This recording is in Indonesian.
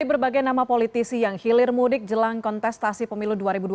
berbagai nama politisi yang hilir mudik jelang kontestasi pemilu dua ribu dua puluh